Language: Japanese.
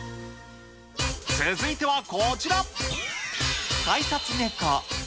続いてはこちら。